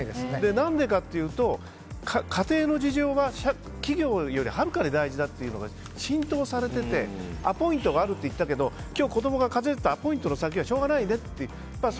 何でかっていうと家庭の事情が企業よりもはるかに大事だというのが浸透されててアポイントがあるって言ってたけど今日子どもが風邪だったらアポイント先はしょうがないねって。